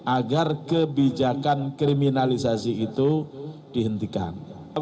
agar kebijakan kriminalisasi itu dihentikan